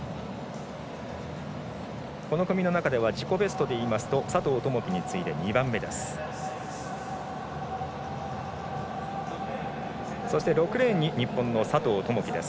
この組の中では自己ベストでいいますと佐藤友祈に次いで２番目です。